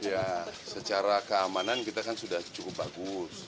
ya secara keamanan kita kan sudah cukup bagus